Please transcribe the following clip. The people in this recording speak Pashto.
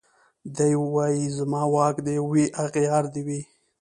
دی وايي زما واک دي وي اغيار دي وي